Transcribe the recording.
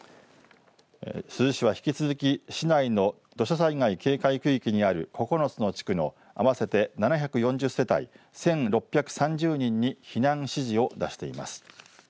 珠洲市は引き続き市内の土砂災害警戒区域にある９つの地区の合わせて７４０世帯１６３０人に避難指示を出しています。